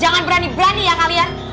jangan berani berani ya kalian